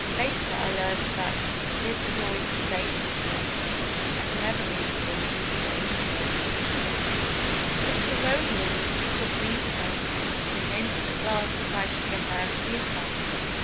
Later I learned that this is always the safest route, and never leads one into danger. The Tyrolean took leave of us, convinced at last that I should get out of the affair.